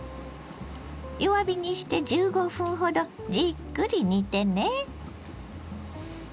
弱火にして１５分ほどじっくり煮てね。